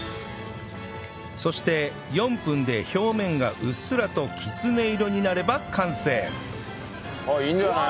そして４分で表面がうっすらときつね色になれば完成いいんじゃない？